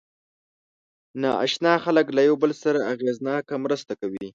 ناآشنا خلک له یو بل سره اغېزناکه مرسته کوي.